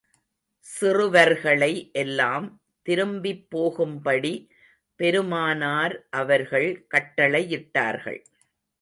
சிறுவர்களை எல்லாம் திரும்பிப் போகும் படி, பெருமானார் அவர்கள் கட்டளையிட்டார்கள்.